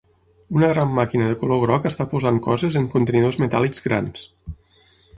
Una gran màquina de color groc està posant coses en contenidors metàl·lics grans.